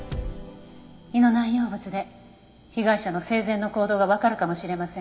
胃の内容物で被害者の生前の行動がわかるかもしれません。